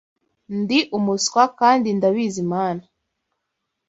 Ndi umuswa kandi ndabizi mana